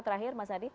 terakhir mas hadi